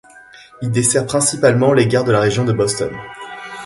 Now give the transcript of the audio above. Il dessert principalement les gares de la région de Boston.